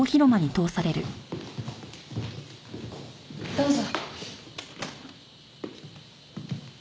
どうぞ。